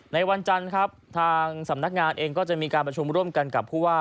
ในวันจันทร์ครับทางสำนักงานเองก็จะมีการประชุมร่วมกันกับผู้ว่า